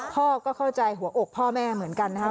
พ่อก็เข้าใจหัวอกพ่อแม่เหมือนกันนะครับ